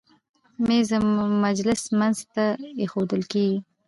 مېز د مجلس منځ ته ایښودل کېږي.